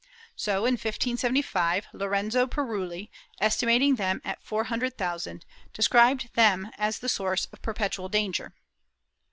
So, in 1575, Lorenzo Priuli, estimating them at four hundred thousand, described them as the source of perpetual danger.